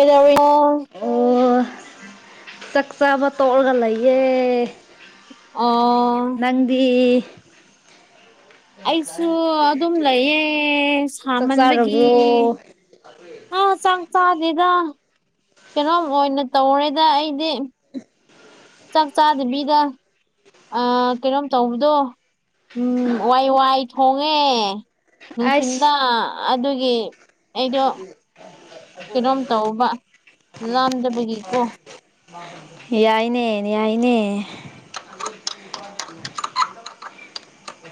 ꯑꯦꯗ ꯑꯣ ꯆꯥꯛꯆꯥꯥꯕ ꯇꯣꯛꯔꯒ ꯂꯩꯌꯦ ꯑꯣ ꯅꯪꯗꯤ ꯑꯩꯁꯨ ꯑꯗꯨꯝ ꯂꯩꯌꯦ ꯆꯥꯛ ꯁꯥꯃꯟꯕꯒꯤ ꯆꯥꯔꯕ꯭ꯔꯣ ꯑꯥ ꯆꯥꯛ ꯆꯥꯗꯦꯗ ꯀꯩꯅꯣꯝ ꯑꯣꯏꯅ ꯇꯧꯔꯦꯗ ꯑꯩꯗꯤ ꯆꯥꯛ ꯆꯥꯗꯕꯤꯗ ꯀꯩꯅꯣꯝ ꯇꯧꯕꯗꯣ ꯎ ꯋꯥꯏ ꯋꯥꯏ ꯊꯣꯡꯉꯦ ꯅꯨꯡꯁꯤꯤꯟꯗ ꯑꯩꯁ ꯑꯗꯨꯒꯤ ꯑꯩꯗꯣ ꯀꯩꯅꯣꯝ ꯇꯧꯕ ꯂꯥꯝꯗꯕꯒꯤꯀꯣ ꯌꯥꯏꯅꯦꯅꯦ ꯌꯥꯏꯅꯦ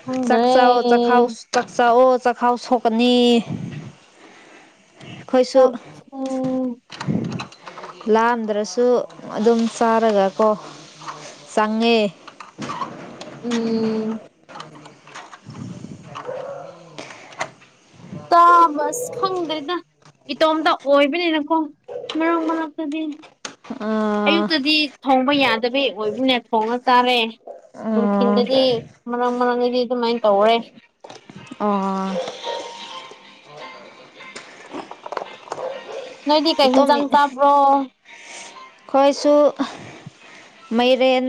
ꯈꯪꯗ꯭ꯔꯦ ꯆꯥꯛꯆꯥ ꯆꯈ ꯆꯥꯛ ꯆꯥꯛꯑꯣ ꯆꯥꯛꯈꯥꯎ ꯁꯣꯛꯀꯅꯤ ꯑꯩꯈꯣꯏꯁꯨ ꯆꯖꯤ ꯂꯥꯝꯗ꯭ꯔꯁꯨ ꯑꯗꯨꯝ ꯆꯥꯔꯒꯀꯣ ꯆꯪꯉꯦ [unintelligible] ꯎꯝ ꯇꯥꯕꯁ ꯐꯪꯗ꯭꯭ꯔꯔꯤꯗ ꯏꯇꯣꯝꯇ ꯑꯣꯏꯕꯅꯤꯅꯀꯣ ꯃꯔꯛ ꯃꯔꯛꯇꯗꯤ ꯑ ꯑꯌꯨꯛꯇꯗꯤ ꯊꯣꯡꯕ ꯌꯥꯗꯕꯩ ꯑꯣꯏꯕꯅꯦ ꯊꯣꯡꯉ ꯆꯥꯔꯦ ꯑꯥ ꯅꯨꯡꯊꯤꯤꯟꯗꯗꯤ ꯃꯔꯪ ꯃꯔꯥꯡꯒꯤꯗꯤ ꯑꯗꯨꯃꯥꯏꯅ ꯇꯧꯔꯦ ꯑꯣ ꯅꯣꯏꯗꯤ ꯀꯩ ꯏꯇꯣꯝ ꯍꯤꯟꯖꯥꯡ ꯆꯥꯕ꯭ꯔꯣ ꯈꯣꯏꯁꯨ ꯃꯩꯔꯦꯟ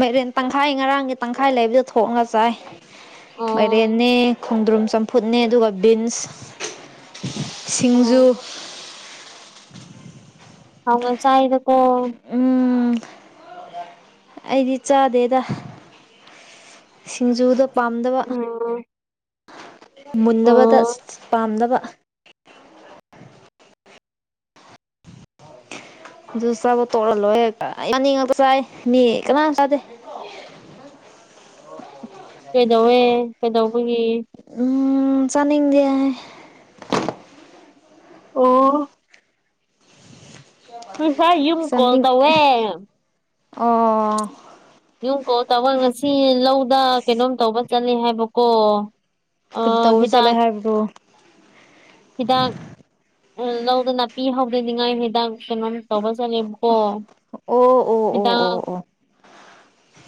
ꯃꯩꯔꯦꯟ ꯇꯪꯈꯥꯏ ꯉꯔꯥꯡꯒꯤ ꯇꯪꯈꯥꯏ ꯂꯩꯕꯗ ꯊꯣꯛꯉꯒ ꯆꯥꯏ ꯑꯣ ꯃꯥꯏꯔꯦꯅꯦ ꯈꯣꯡꯗ꯭ꯔꯨꯝ ꯆꯝꯐꯨꯠꯅꯦ ꯑꯗꯨꯒ ꯕꯤꯟꯁ ꯁꯤꯡꯖꯨ ꯑꯣ ꯑ ꯆꯥꯏꯗ ꯀꯣ ꯎꯝ ꯑꯩꯗꯤ ꯆꯥꯗꯦꯗ ꯁꯤꯡꯖꯨꯗ ꯄꯥꯝꯗꯕ ꯎ ꯃꯨꯟꯕꯗ ꯑꯣ ꯄꯥꯝꯅꯕ ꯑꯗꯨ ꯆꯥꯕ ꯇꯣꯛꯔꯜꯂꯣꯏ ꯍꯦꯛꯇ ꯌꯥꯅꯤꯡꯉꯥꯛꯇ ꯆꯥꯏ ꯃꯤ ꯀꯅꯥꯝ ꯆꯥꯗꯦ ꯀꯩꯗꯧꯋꯦ ꯀꯩꯗꯧꯕꯒꯤ ꯎ ꯆꯅꯗꯤ ꯑꯣ ꯎꯁ ꯌꯝ ꯀꯣꯜ ꯆꯥꯅꯤꯡ ꯇꯧꯋꯦ ꯑꯣ ꯌꯨꯝ ꯀꯣꯛ ꯇꯥꯧꯕ ꯉꯁꯤ ꯂꯧꯗ ꯀꯩꯅꯣꯝ ꯇꯧꯕ ꯆꯠꯂꯦ ꯍꯥꯏꯕꯀꯣ ꯀꯔꯤ ꯑꯥ ꯇꯧꯕ ꯆꯠꯂꯦ ꯍꯤꯗꯥꯛ ꯍꯥꯏꯕꯗꯣ ꯍꯤꯗꯥꯛ ꯎꯝ ꯂꯧꯗ ꯅꯥꯄꯤ ꯍꯧꯗꯅꯤꯉꯥꯏ ꯍꯤꯗꯥꯛ ꯀꯩꯅꯣꯝ ꯇꯧꯕ ꯆꯠꯂꯦꯕꯀꯣ ꯑꯣ ꯑꯣ ꯑꯣ ꯑꯣ ꯑꯣ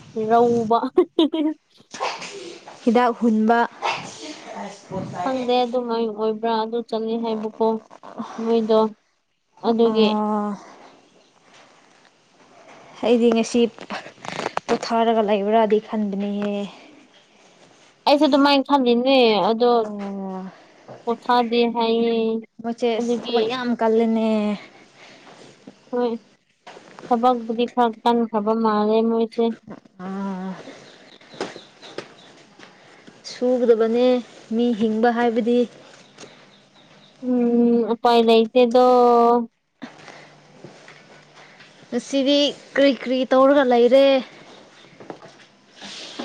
ꯔꯧꯕ ꯍꯤꯗꯥꯛ ꯍꯨꯟꯕ ꯈꯪꯗꯦ ꯑꯗꯨꯃꯥꯏ ꯑꯣꯏꯕ꯭ꯔꯥ ꯑꯗꯨ ꯆꯠꯂꯦ ꯍꯥꯏꯕꯀꯣ ꯃꯣꯏꯗꯣ ꯑꯗꯨꯒꯤ ꯑꯥ ꯑꯩꯗꯤ ꯉꯁꯤ ꯄꯣꯊꯥꯔꯒ ꯂꯩꯕ꯭ꯔꯥꯗꯤ ꯈꯟꯕꯅꯦꯍꯦ ꯑꯩꯁꯨ ꯑꯗꯨꯃꯥꯏꯅ ꯈꯜꯂꯤꯅꯦ ꯑꯗꯣ ꯑꯣ ꯄꯣꯊꯥꯗꯦ ꯍꯥꯏꯌꯦ ꯃꯣꯏꯁꯦ ꯑꯗꯨꯒꯤ ꯊꯕꯛ ꯌꯥꯝ ꯀꯜꯂꯤꯅꯦ ꯍꯣꯏ ꯊꯕꯛꯄꯨꯗꯤ ꯈꯔ ꯀꯟꯈ꯭ꯔꯕ ꯃꯥꯜꯂꯦ ꯃꯣꯏꯁꯦ ꯑꯥ ꯁꯨꯒꯗꯕꯅꯦ ꯃꯤ ꯍꯤꯡꯕ ꯍꯥꯏꯕꯗꯤ ꯎꯝ ꯎꯄꯥꯏ ꯂꯩꯩꯇꯦꯗꯣ ꯉꯁꯤꯗꯤ ꯀꯥꯔꯤ ꯀꯥꯔꯤ ꯇꯧꯔꯒ ꯂꯩꯔꯦ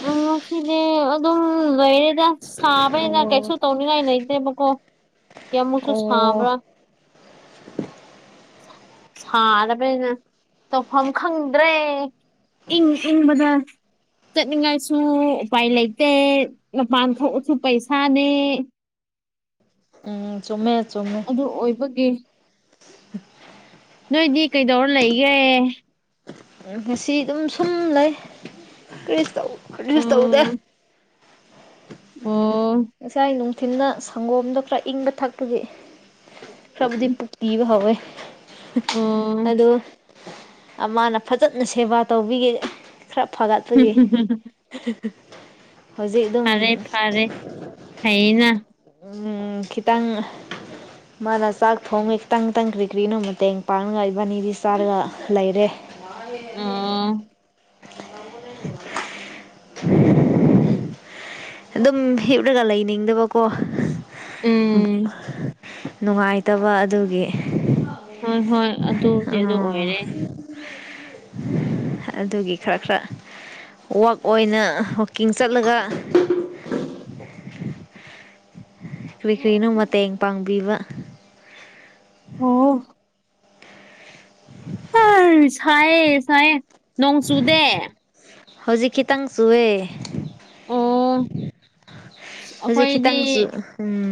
ꯎꯝ ꯁꯤꯗꯤ ꯑꯗꯨꯝ ꯂꯩꯔꯦꯗ ꯁꯥꯕꯅꯤꯅ ꯑꯣ ꯀꯩꯁꯨ ꯇꯧꯅꯤꯡꯉꯥꯏ ꯂꯩꯇꯦꯕꯀꯣ ꯑꯃꯨꯛꯁꯨ ꯑꯣ ꯁꯥꯕ꯭ꯔꯥ ꯑ ꯁꯥꯔꯕꯅꯤꯅ ꯇꯧꯐꯝ ꯈꯪꯗ꯭ꯔꯦ ꯏꯪ ꯏꯪꯕꯗ ꯆꯠꯅꯤꯡꯉꯥꯏꯁꯨ ꯎꯄꯥꯏ ꯂꯩꯇꯦ ꯃꯄꯥꯟ ꯊꯣꯛꯑꯁꯨ ꯄꯩꯁꯥꯅꯦ ꯎꯝ ꯆꯨꯝꯃꯦ ꯆꯨꯝꯃꯦ ꯑꯗꯨ ꯑꯣꯏꯕꯒꯤ ꯅꯣꯏꯗꯤ ꯀꯩꯗꯧꯔ ꯂꯩꯒꯦ ꯎ ꯉꯁꯤ ꯑꯗꯨꯝ ꯁꯨꯝ ꯂꯩ ꯀꯔꯤꯁꯨ ꯇꯧꯗꯦ ꯎꯝ ꯑꯣ ꯉꯥꯁꯥꯏ ꯅꯨꯡꯊꯤꯜꯅ ꯁꯪꯒꯣꯝꯗꯣ ꯈꯔ ꯏꯪꯕ ꯊꯛꯄꯒꯤ ꯈꯔꯕꯨꯗꯤ ꯄꯤꯕ ꯍꯧꯎꯋꯦ ꯑꯣ ꯑꯗꯣ ꯃꯥꯅ ꯐꯖꯅ ꯁꯦꯕꯥ ꯇꯧꯕꯤꯒꯦ ꯈꯔ ꯐꯒꯠꯄꯒꯤ ꯍꯧꯖꯤꯛ ꯑꯗꯨ ꯐꯔꯦ ꯐꯔꯦ ꯐꯩꯅ ꯎꯝ ꯈꯤꯇꯪ ꯃꯥꯅ ꯆꯥꯛ ꯊꯣꯡꯉ ꯈꯤꯇꯪꯈꯤꯇꯪ ꯀ꯭ꯔꯤ ꯀ꯭ꯔꯤꯅꯣ ꯃꯇꯦꯡ ꯄꯥꯡꯉꯒ ꯏꯕꯥꯅꯤꯗꯤ ꯆꯥꯔꯒ ꯂꯩꯔꯦ ꯑꯥ ꯑꯗꯨꯝ ꯍꯤꯞꯂꯒ ꯂꯩꯅꯤꯡꯗꯕꯀꯣ ꯎꯝ ꯅꯨꯡꯉꯥꯏꯇꯕ ꯑꯗꯨꯒꯤ ꯍꯣꯏ ꯍꯣꯏ ꯑꯗꯨꯗꯤ ꯑꯗꯨ ꯑꯣ ꯑꯣꯏꯔꯦ ꯑꯗꯨꯒꯤ ꯈꯔ ꯈꯔ ꯋꯥꯛ ꯑꯣꯏꯅ ꯋꯥꯛꯀꯤꯡ ꯆꯠꯂꯒ ꯀ꯭ꯔꯤꯀ꯭ꯔꯤꯅꯣ ꯃꯇꯦꯡ ꯄꯥꯡꯕꯤꯕ ꯑꯣ ꯍ ꯁꯥꯏꯌꯦ ꯁꯥꯏꯌꯦ ꯅꯣꯡ ꯆꯨꯗꯦ ꯍꯧꯖꯤꯛ ꯈꯤꯇꯪ ꯆꯨꯑꯦ ꯑꯣ ꯍꯧꯖꯤꯛ ꯑꯩꯈꯣꯏꯗꯤ ꯈꯤꯇꯪꯁꯨ ꯎꯝ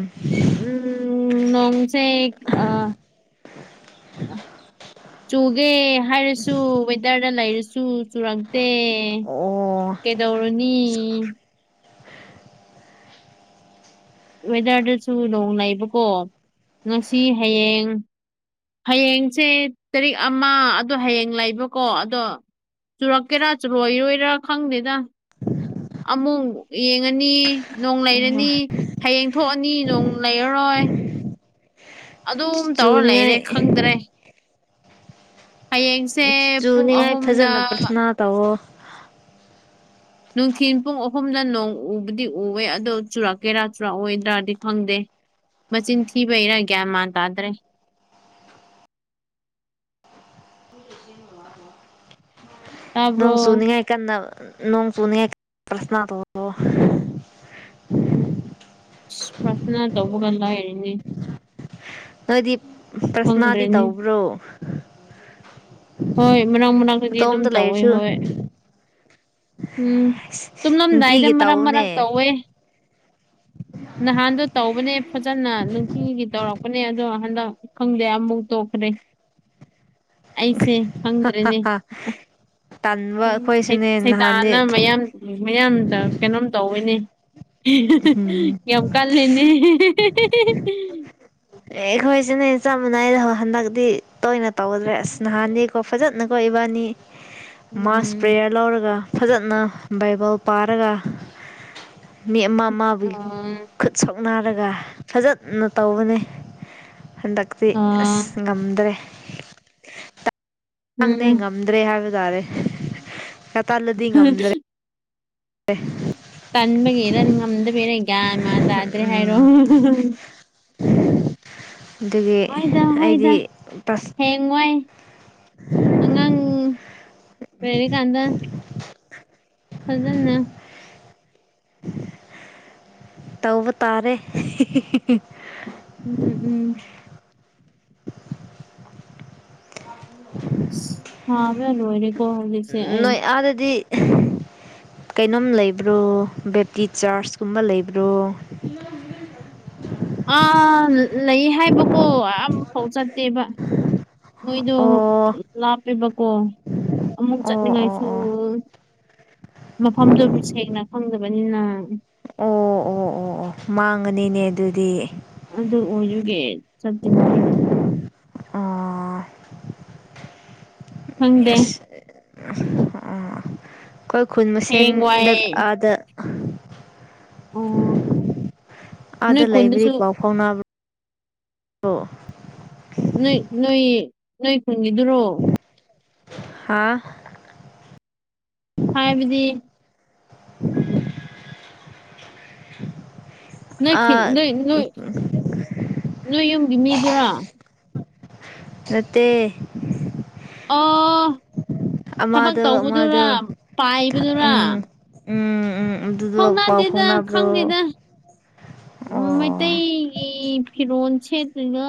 ꯎꯝ ꯅꯣꯡꯁꯦ ꯆꯨꯒꯦ ꯍꯥꯏꯔꯁꯨ ꯋꯦꯗꯔꯗ ꯂꯩꯔꯁꯨ ꯆꯨꯔꯛꯇꯦ ꯑꯣ ꯀꯩꯗꯧꯔꯨꯅꯤ ꯋꯦꯗꯔꯗꯁꯨ ꯅꯣꯡ ꯂꯩꯏꯕꯀꯣ ꯉꯁꯤ ꯍꯌꯦꯡ ꯍꯌꯦꯡꯁꯦ ꯇꯔꯤꯛ ꯑꯃ ꯑꯗꯣ ꯍꯌꯦꯡ ꯂꯩꯕꯀꯣ ꯑꯗꯣ ꯆꯨꯔꯛꯀꯦꯔꯥ ꯆꯨꯔꯣꯏꯔꯣꯏꯔꯥ ꯈꯪꯗꯦꯗ ꯑꯃꯨꯛ ꯌꯦꯡꯉꯅꯤ ꯅꯣꯡ ꯑꯣ ꯂꯩꯔꯅꯤ ꯍꯌꯦꯡ ꯊꯣꯛꯑꯅꯤ ꯅꯣꯡ ꯂꯩꯔꯔꯣꯏ ꯑꯗꯨꯝ ꯇꯧꯔ ꯆꯨꯅꯤꯡꯉꯥꯏ ꯂꯩꯔꯦ ꯈꯪꯗ꯭ꯔꯦ ꯍꯌꯦꯡꯁꯦ ꯄꯨꯡ ꯆꯨꯅꯤꯡꯉꯥꯏ ꯑꯍꯨꯝꯗ ꯐꯖꯅ ꯄ꯭ꯔꯊꯅꯥ ꯇꯧꯋꯣ ꯅꯨꯡꯊꯤꯤꯟ ꯄꯨꯡ ꯑꯍꯨꯝꯅ ꯅꯣꯡ ꯎꯕꯗꯤ ꯎꯋꯦ ꯑꯗꯣ ꯆꯨꯔꯥꯀꯦꯔꯥ ꯆꯨꯔꯥꯛꯑꯣꯏꯗ꯭ꯔꯥꯗꯤ ꯈꯪꯗꯦ ꯃꯆꯤꯟ ꯊꯤꯕꯩꯔ ꯒ꯭ꯌꯥꯟ ꯃꯥꯟ ꯇꯥꯗ꯭ꯔꯦ ꯍꯖꯤꯟ ꯋꯥꯄ [unintelligible] ꯇꯥꯕ꯭ꯔꯣ ꯅꯣꯡ ꯁꯨꯅꯤꯉ ꯀꯟꯅ ꯅꯣꯡ ꯁꯨꯅꯤꯁꯅ ꯇꯣꯡꯂꯣ [unintelligible] ꯑ ꯄ꯭ꯔꯊꯅ ꯇꯧꯕꯒ ꯂꯥꯏꯔꯤꯅꯤ ꯅꯣꯏꯗꯤ ꯄ꯭ꯔꯊꯅꯥꯗꯤ ꯈꯪꯗ꯭ꯔꯦꯅꯦ ꯇꯧꯕ꯭ꯔꯣ ꯍꯣꯏ ꯃꯅꯥꯛ ꯃꯅꯥꯛꯛꯇꯗꯤ ꯑꯗꯨꯝ ꯅꯇꯣꯝꯇ ꯇꯧꯋꯦ ꯂꯩꯔꯁꯨ ꯍꯣꯏ ꯎꯝ ꯇꯨꯝꯂꯝꯗꯥꯏꯗ ꯅꯨꯡꯇꯤꯒꯤ ꯃꯔꯛ ꯃꯔꯛ ꯇꯧꯅꯦ ꯇꯧꯋꯦ ꯅꯍꯥꯟꯗꯣ ꯇꯧꯕꯅꯦ ꯐꯖꯅ ꯅꯨꯡꯇꯤꯒꯤ ꯇꯧꯔꯛꯄꯅꯦ ꯑꯗꯣ ꯍꯟꯗꯛ ꯈꯪꯗꯦ ꯑꯃꯨꯛ ꯇꯣꯛꯈ꯭ꯔꯦ ꯑꯩꯁꯦ ꯈꯪꯗ꯭ꯔꯦꯅꯦ ꯇꯟꯕ ꯎ ꯑꯩꯈꯣꯏꯁꯨꯅꯦ ꯅꯍꯥꯟꯗꯤ ꯁꯩꯗꯥꯅ ꯃꯌꯥꯝ ꯎ ꯃꯌꯥꯝꯗ ꯀꯩꯅꯣꯝ ꯇꯧꯋꯤꯅꯦ ꯀꯪ ꯀꯜꯂꯤꯅꯤ ꯑꯦ ꯑꯩꯈꯣꯏꯁꯤꯅꯦ ꯆꯞ ꯃꯥꯟꯅꯥꯏꯗ ꯍꯟꯗꯛꯇꯤ ꯇꯣꯏꯅ ꯇꯧꯗ꯭ꯔꯦ ꯑꯁ ꯅꯍꯥꯟꯅꯤꯀꯣ ꯐꯖꯅꯀꯣ ꯏꯕꯥꯅꯤ [inaudible] ꯃꯥꯁ ꯄ꯭ꯔꯦꯌꯔ ꯂꯧꯔꯒ ꯐꯖꯅ ꯕꯥꯏꯕꯜ ꯄꯥꯔꯒ ꯃꯤ ꯑꯃ ꯑ ꯑꯃꯕꯨꯒꯤ ꯈꯨꯠ ꯁꯥꯎꯅꯔꯒ ꯐꯖꯅ ꯇꯧꯕꯅꯦ ꯍꯟꯗꯛꯇꯤ ꯑ ꯑꯁ ꯉꯝꯗ꯭ꯔꯦ ꯥꯡꯅꯦ ꯎꯝ ꯉꯝꯗ꯭ꯔꯦ ꯍꯥꯏꯕ ꯇꯥꯔꯦ ꯇꯜꯂꯗꯤ ꯉꯝꯗ꯭ꯔꯦ ꯇ ꯇꯟꯕꯒꯤꯔ ꯉꯝꯗꯕꯤꯦꯔ ꯀꯒ ꯃꯥ ꯇꯥꯗ꯭ꯔꯦ ꯍꯥꯏꯔꯣ ꯑꯗꯨꯒꯤ ꯑꯩꯗꯤꯥꯁ ꯦꯡꯋꯥꯏ ꯑꯉꯥꯡ ꯄꯔꯀꯥꯟꯗ [unintelligible] ꯐꯖꯅ ꯇꯕꯨꯕ ꯇꯥꯔꯦ ꯎꯝ ꯎꯝ ꯍꯥꯕ ꯂ ꯑꯣꯏꯔꯦꯀꯣ ꯍꯧꯖꯤꯛꯁꯦ ꯑꯩ ꯑꯗꯗꯤ ꯀꯩꯅꯣꯝ ꯂꯩꯕ꯭ꯔꯣ ꯕꯦꯞꯇꯤ ꯆꯥꯔꯆꯀꯨꯝꯕ ꯂꯩꯕ꯭ꯔꯣ [inaudible] ꯑꯥ ꯂꯩ ꯍꯥꯏꯕꯀꯣ ꯑꯐꯥꯎ ꯆꯠꯇꯦꯕ ꯃꯣꯏꯗꯣ ꯑꯣ ꯂꯥꯞꯄꯦꯕꯀꯣ ꯑꯃꯨꯛ ꯑꯣ ꯑꯣ ꯆꯠꯅꯤꯡꯉꯥꯏꯁꯨ ꯑꯣ ꯑꯣ ꯃꯐꯝꯗꯨꯕꯨ ꯁꯦꯡꯅ ꯐꯪꯗꯕꯅꯤꯅ ꯎ ꯑꯣ ꯑꯣ ꯃꯥꯡꯉꯅꯤꯅꯦ ꯑꯗꯨꯗꯤ ꯑꯗꯨꯗ ꯑꯣ ꯌꯒꯦ ꯆꯗꯤꯕꯥꯥꯏꯣ [unintelligible] ꯑ ꯍꯪꯗꯦ ꯑꯩꯈꯣꯏ ꯈꯨꯜ ꯍꯌꯦꯡ ꯃꯁꯦꯟꯗ ꯋꯥꯏ ꯑꯥꯗ ꯑꯣ ꯑꯥꯗ ꯅꯣꯏ ꯂꯩꯕꯗꯤ ꯈꯨꯟꯗꯁꯨ ꯄꯥꯎ ꯐꯥꯎꯅꯕ꯭ꯔꯥ ꯅꯣꯏ ꯅꯣꯏ ꯅꯣꯏ ꯀꯨꯟꯒꯤꯗꯨꯔꯣ ꯍꯥꯥ ꯍꯥꯏꯕꯗꯤ [inaudible] ꯅꯣꯏ ꯑꯥ ꯅꯣꯏ ꯅꯣꯏ ꯅꯣꯏ ꯌꯨꯝꯒꯤ ꯃꯤꯗꯨꯔꯣ ꯅꯠꯇꯦ ꯑꯣ ꯊꯕꯛ ꯑꯃꯗꯣ ꯑꯃꯗꯣ ꯇꯧꯕꯗꯨꯔꯥ ꯄꯥꯏꯕꯅꯦꯕ ꯎꯝ ꯎꯝ ꯎꯝ ꯑꯗꯨꯗꯨ ꯄꯥꯎ ꯐꯥꯎꯅꯕ꯭ꯔꯣ ꯎꯝ ꯑꯣ ꯃꯩꯇꯩꯒꯤ ꯐꯤꯔꯣꯜ ꯁꯦꯠꯇꯔꯤꯅ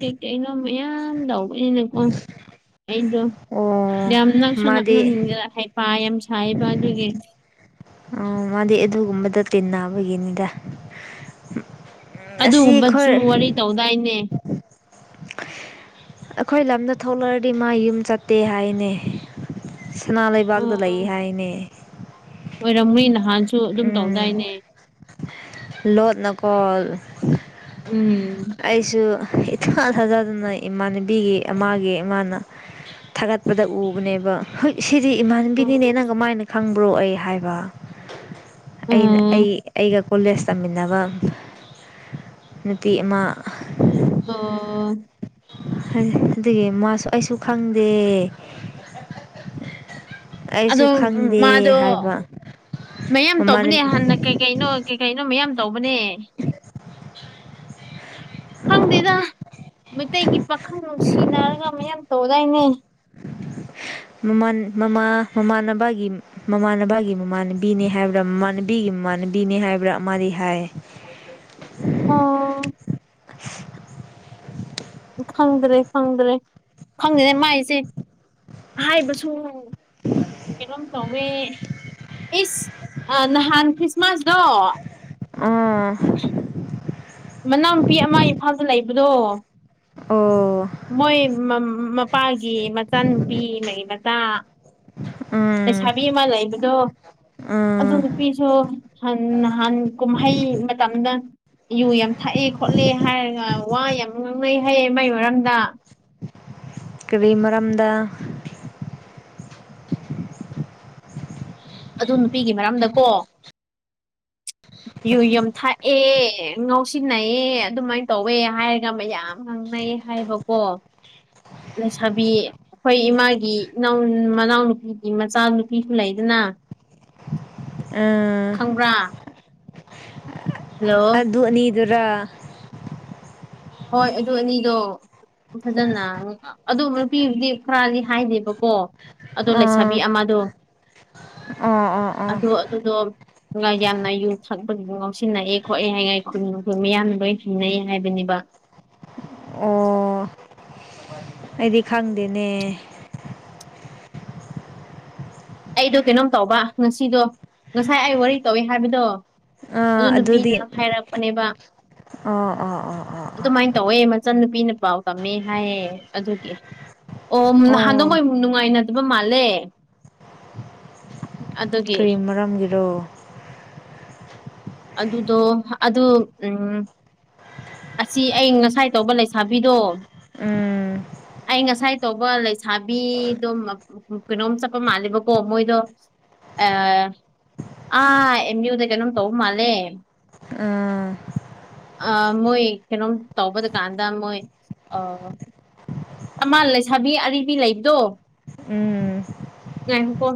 ꯀꯩꯀꯩꯅꯣ ꯃꯌꯥꯝ ꯇꯧꯕꯅꯤꯅꯀꯣ ꯑꯩꯗꯣ ꯑꯣ ꯌꯥꯝ ꯅꯛꯁꯨ ꯃꯥꯗꯤ ꯅꯛꯅ ꯅꯤꯡꯖꯛ ꯍꯥꯏ ꯄ ꯌꯥꯝ ꯁꯥꯏꯕ ꯑꯗꯨꯒꯤ ꯑ ꯃꯥꯗꯤ ꯑꯗꯨꯒꯨꯝꯕꯗ ꯇꯤꯟꯅꯕꯒꯤꯅꯤꯗ ꯑꯁꯤ ꯑꯗꯨꯒꯨꯝꯕꯖꯨ ꯑꯩꯈꯣꯏ ꯋꯥꯔꯤ ꯇꯧꯗꯥꯏꯅꯦ ꯑꯩꯈꯣꯏ ꯂꯝꯗ ꯊꯣꯛꯂꯛꯑꯗꯤ ꯃꯥ ꯌꯨꯝ ꯆꯠꯇꯦ ꯍꯥꯏꯅꯦ ꯁꯅꯥ ꯂꯩꯕꯥꯛꯇ ꯂꯩ ꯍꯥꯏꯅꯦ ꯑꯣꯏꯔꯝꯃꯤ ꯅꯍꯥꯟꯁꯨ ꯑꯗꯨꯝ ꯇꯧꯗꯥꯏꯅꯦ ꯂꯣꯠꯅ ꯀꯣꯜ ꯎꯝ ꯑꯩꯁꯨ ꯏꯊꯥ ꯊꯥꯖꯗꯅ ꯏꯃꯥꯟꯅꯕꯤꯒꯤ ꯃꯥꯒꯤ ꯏꯃꯥꯅ ꯊꯥꯒꯠꯄꯗ ꯎꯕꯅꯦꯕ ꯍꯣꯏ ꯁꯤꯗꯤ ꯏꯃꯥꯟꯅꯕꯤꯅꯤꯅꯦ ꯎꯝ ꯅꯪ ꯀꯃꯥꯏꯅ ꯈꯪꯕ꯭ꯔꯣ ꯑꯩ ꯍꯥꯏꯕ ꯑꯩꯅ ꯑꯩ ꯎꯝ ꯑꯩꯒ ꯀꯣꯂꯦꯁ ꯇꯝꯃꯤꯟꯅꯕ ꯅꯨꯄꯤ ꯑꯃ ꯑꯣ ꯑꯗꯨꯒꯤ ꯃꯥꯁꯨ ꯑꯩꯁꯨ ꯈꯪꯗꯦ ꯑꯩꯁꯨ ꯑꯗꯣ ꯈꯪꯗꯦ ꯃꯥꯗꯣ ꯍꯥꯏꯕ ꯃꯌꯥꯝ ꯃꯃꯥꯟ ꯇꯧꯕꯅꯦ ꯍꯥꯟꯅ ꯀꯩ ꯀꯩꯅꯣ ꯀꯩꯀꯩꯅꯣ ꯃꯌꯥꯝ ꯇꯧꯕꯅꯦ ꯈꯪꯗꯦꯗ ꯃꯩꯇꯩꯒꯤ ꯄꯥꯈꯪ ꯅꯨꯡꯁꯤꯅꯔꯒ ꯃꯌꯥꯝ ꯇꯧꯗꯥꯏꯅꯦ ꯃꯃꯥꯟ ꯃꯃꯥ ꯃꯃꯥꯟꯅꯕꯒꯤ ꯃꯃꯥꯟꯅꯕꯒꯤ ꯃꯃꯥꯟꯅꯕꯤꯅꯦ ꯍꯥꯏꯕ꯭ꯔꯥ ꯃꯃꯥꯟꯅꯕꯤꯒꯤ ꯃꯃꯥꯟꯅꯕꯤꯅꯦ ꯍꯥꯏꯕ꯭ꯔꯥ ꯑꯃꯗꯤ ꯍꯥꯏ ꯑꫭ ꯑꯗꯨ ꯈꯪꯗ꯭ꯔꯦ ꯈꯪꯗ꯭ꯔꯦ ꯈꯪꯗꯦꯅꯦ ꯃꯥꯏꯁꯦ ꯍꯥꯏꯕꯁꯨ ꯀꯩꯅꫭꯝ ꯇꯧ ꯋꯦ ꯏꯁ ꯑ ꯅꯍꯥꯟ ꯈ꯭ꯔꯤꯁꯃꯥꯁꯗꯣ ꯎꯝ ꯃꯅꯥꯅꯨꯄꯤ ꯑꯃ ꯏꯝꯐꯥꯜꯗ ꯂꯩꯕꯗꯣ ꯑꯣ ꯃꯣꯏ ꯃꯝ ꯃꯄꯥꯒꯤ ꯃꯆꯥꯅꯨꯄꯤ ꯃꯔꯤ ꯃꯇꯥ ꯎꯝ ꯂꯩꯁꯥꯕꯤ ꯑꯃ ꯂꯩꯕꯗꯣ ꯑꯗꯨ ꯎꯝ ꯅꯨꯄꯤꯁꯨ ꯍꯟ ꯅꯍꯥꯟ ꯀꯨꯝꯍꯩ ꯃꯇꯝꯗ ꯌꯨ ꯌꯥꯝ ꯊꯛꯑꯦ ꯈꯣꯠꯂꯦ ꯍꯥꯏꯔꯒ ꯋꯥ ꯌꯥꯝ ꯉꯥꯡꯅꯩ ꯍꯥꯏꯌꯦ ꯃꯥꯏ ꯃꯔꯝꯗ ꯀꯔꯤ ꯃꯔꯝꯗ ꯑꯗꯨ ꯅꯨꯄꯤꯒꯤ ꯃꯔꯝꯗꯀꯣ ꯌꯨ ꯌꯥꯝ ꯊꯛꯑꯦ ꯉꯥꯎꯁꯤꯟꯅꯩꯑꯦ ꯑꯗꯨꯃꯥꯏ ꯇꯧꯋꯦ ꯍꯥꯏꯔꯒ ꯃꯌꯥꯝ ꯉꯥꯡꯅꯩꯌꯦ ꯍꯥꯏꯕꯀꯣ ꯂꯩꯁꯥꯕꯤ ꯑꯩꯈꯣꯏ ꯏꯃꯥꯒꯤ ꯏꯅꯥꯎ ꯃꯅꯥꯎꯅꯨꯄꯤꯒꯤ ꯃꯆꯥꯅꯨꯄꯤꯁꯨ ꯂꯩꯗꯅ ꯑ ꯈꯪꯕ꯭ꯔꯥ ꯍꯜꯂꯣ ꯑꯗꯨ ꯑꯅꯤꯗꯨꯔ ꯍꯣꯏ ꯑꯗꯨ ꯑꯅꯤꯗꯣ ꯐꯖꯅ ꯑꯗꯨ ꯅꯨꯄꯤꯗꯤ ꯈꯔꯗꯤ ꯍꯥꯏꯗꯦꯕꯀꯣ ꯑꯗꯣ ꯂꯩꯁꯥꯕꯤ ꯑꯥ ꯑꯃꯗꯣ ꯑꯥ ꯑꯥ ꯑꯥ ꯑꯗꯣ ꯑꯗꯨꯗꯣ ꯅꯨꯉꯥꯏꯌꯥꯝꯅ ꯌꯨ ꯊꯛꯄ ꯌꯨ ꯉꯥꯎꯁꯤꯟꯅꯩꯌꯦ ꯈꯣꯠꯂꯦ ꯍꯥꯏꯉꯥꯏ ꯈꯨꯟ ꯃꯤꯌꯥꯝꯅ ꯂꯣꯏ ꯊꯤꯡꯅꯩ ꯍꯥꯏꯕꯅꯦꯕ ꯑꯣ ꯑꯩꯗꯤ ꯈꯪꯗꯦꯅꯦ ꯑꯩꯗꯣ ꯀꯩꯅꯣꯝ ꯇꯧꯕ ꯉꯁꯤꯗꯣ ꯉꯁꯥꯏ ꯑꯩ ꯋꯥꯔꯤ ꯇꯧꯋꯦ ꯍꯥꯏꯕꯗꯣ ꯑꯗꯨ ꯑꯥ ꯅꯨꯄꯤꯅ ꯍꯥꯏꯔꯛꯄꯅꯦꯕ ꯑꯣ ꯑꯣ ꯑꯣ ꯑꯣ ꯑꫭ ꯑꯗꯨꯃꯥꯏꯅ ꯇꯧꯋꯦ ꯃꯆꯟ ꯅꯨꯄꯤꯅ ꯄꯥꯎ ꯇꯝꯃꯦ ꯍꯥꯏꯌꯦ ꯑꯗꯨꯗꯤ ꯑꯣ ꯑꯣ ꯅꯍꯥꯟꯗꯣꯃꫭꯏ ꯅꯨꯡꯉꯥꯏꯅꯗꯕ ꯃꯥꯜꯂꯦ ꯑꯗꯨꯒꯤ ꯀꯔꯤ ꯃꯔꯝꯒꯤꯔꯣ ꯑꯗꯨꯗꯣ ꯑꯗꯨ ꯎꯝ ꯑꯁꯤ ꯑꯩ ꯉꯁꯥꯏ ꯇꯧꯕ ꯂꯩꯁꯥꯕꯤꯗꯣ ꯎꯝ ꯑꯩ ꯉꯁꯥꯏ ꯇꯧꯕ ꯂꯩꯁꯥꯕꯤꯗꯣ ꯀꯩꯅꯣꯝ ꯆꯠꯄ ꯃꯥꯜꯂꯦꯕ ꯀꯣ ꯃꯣꯏꯗꯣ ꯑꯥ... ꯑꯥ ꯑꯦꯝ ꯌꯨꯗ ꯀꯩꯅꯣꯝ ꯇꯧꯕ ꯃꯥꯜꯂꯦ ꯎꯝ ꯑ ꯃꯣꯏ ꯀꯩꯅꯣꯝ ꯇꯧꯕꯗ ꯀꯥꯟꯗ ꯃꯣꯏ ꯑ ꯑꯃ ꯂꯩꯁꯥꯕꯤ ꯑꯔꯤꯕꯤ ꯂꯩꯕꯗꯣ ꯎꯝ ꯉꯥꯢꯀꯣ